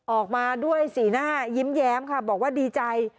ออกมาด้วยสีหน้ายิ้มแย้มค่ะบอกว่าดีใจ